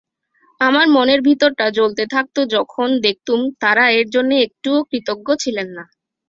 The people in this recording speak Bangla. আমার মনের ভিতরটা জ্বলতে থাকত যখন দেখতুম তাঁরা এর জন্যে একটুও কৃতজ্ঞ ছিলেন না।